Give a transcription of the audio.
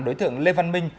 đối tượng lê văn minh